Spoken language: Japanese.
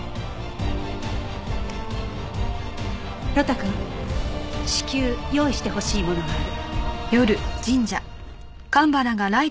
呂太くん至急用意してほしいものがある。